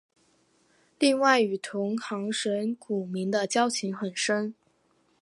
另外与同行神谷明的交情很深。